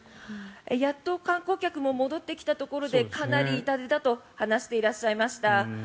やっと観光客も戻ってきたところでかなり痛手だと話していらっしゃいました。